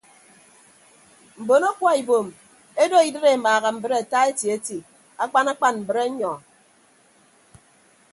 Mbon akwa ibom edo idịd emaaha mbre ata eti eti akpan akpan mbrenyọ.